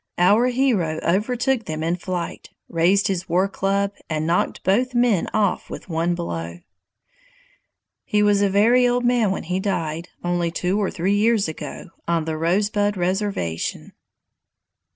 Our hero overtook them in flight, raised his war club, and knocked both men off with one blow. He was a very old man when he died, only two or three years ago, on the Rosebud reservation.